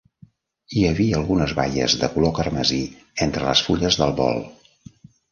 Hi havia algunes baies de color carmesí entre les fulles del bol.